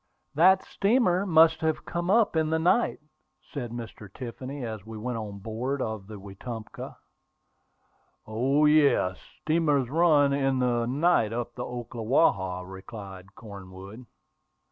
"That steamer must have come up in the night," said Mr. Tiffany, as we went on board of the Wetumpka. "O, yes; steamers run in the night up the Ocklawaha," replied Cornwood.